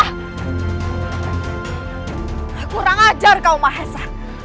aku orang ajar kau maisha